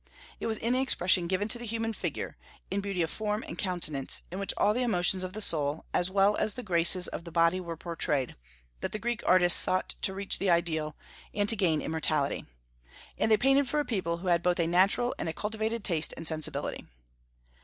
It was in the expression given to the human figure in beauty of form and countenance, in which all the emotions of the soul, as well as the graces of the body were portrayed that the Greek artists sought to reach the ideal, and to gain immortality. And they painted for a people who had both a natural and a cultivated taste and sensibility.